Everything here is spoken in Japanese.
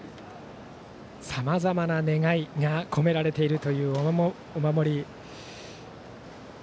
さまざまな願いが込められているというお守り。